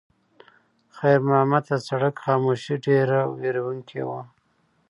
خیر محمد ته د سړک خاموشي ډېره وېروونکې وه.